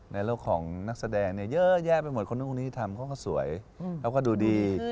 ในโลกของนักแสดงเยอะแยะไปหมดคนตรงนี้ทำก็สวยแล้วก็ดูดี